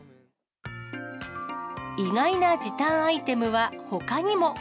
意外な時短アイテムはほかにも。